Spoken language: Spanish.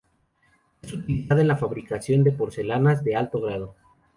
Es utilizada en la fabricación de porcelanas de alto grado.